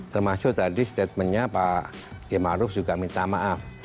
termasuk tadi statementnya pak kian maruf juga minta maaf